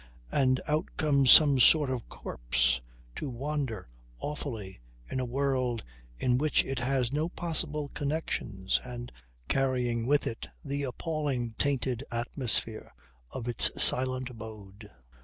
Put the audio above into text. And out comes some sort of corpse, to wander awfully in a world in which it has no possible connections and carrying with it the appalling tainted atmosphere of its silent abode.